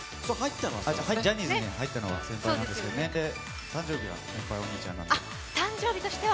ジャニーズに入ったのは先輩なんですけど誕生日が先輩なのはこちらです。